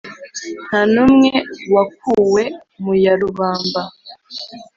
nta n’umwe wakwuwe mu ya rubamba